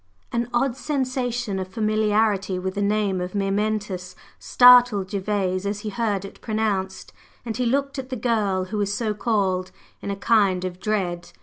'" An odd sensation of familiarity with the name of "Myrmentis" startled Gervase as he heard it pronounced, and he looked at the girl who was so called in a kind of dread.